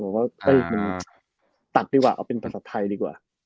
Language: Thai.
ว่ามันตัดดีกว่าเอาเป็นภาษาไทยดีกว่า